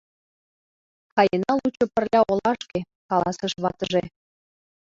— Каена лучо пырля олашке, — каласыш ватыже.